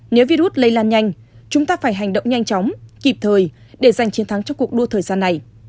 nếu virus lây lan nhanh chúng ta phải hành động nhanh chóng kịp thời để giành chiến thắng cho cuộc đua thời gian này